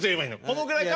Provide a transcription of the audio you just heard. このぐらいか？